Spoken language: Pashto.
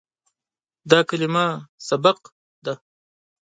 دا کلمه "سبق" ده.